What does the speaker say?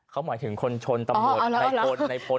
เขาหมายถึงคนชนตำรวจในพลในพล